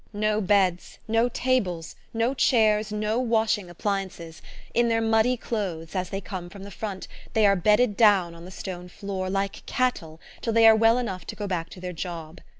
No beds, no tables, no chairs, no washing appliances in their muddy clothes, as they come from the front, they are bedded down on the stone floor like cattle till they are well enough to go back to their job.